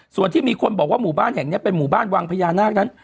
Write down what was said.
ส่วนที่มีคนบอกว่าหมู่บ้านแห่งนี้เป็นหมู่บ้านวังพญานาคนั้น